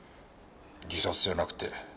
自殺じゃなくて殺人だ。